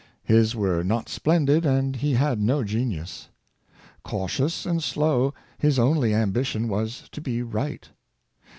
^ His were not splendid, and he had no genius. Cautious and slow, his only ambition was to be right.